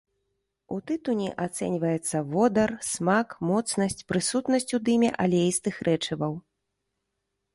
У тытуні ацэньваецца водар, смак, моцнасць, прысутнасць у дыме алеістых рэчываў.